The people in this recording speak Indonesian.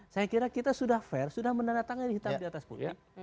saya kira kita sudah fair sudah menandatangani hitam di atas putih